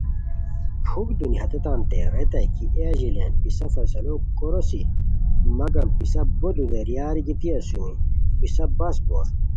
پھُک دونی ہیتانتے ریتائے کی اے اژیلیان پِسہ فیصلو کوروسی، مگم پِسہ بو دودیریار گیتی اسومی پِسہ بس بور